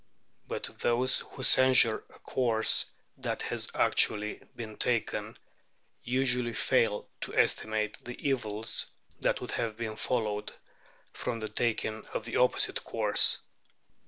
But those who censure a course that has actually been taken usually fail to estimate the evils that would have followed from the taking of the opposite course.